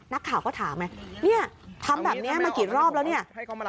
นักข่าวก็ถามนี่ทำแบบนี้มากี่รอบแล้ว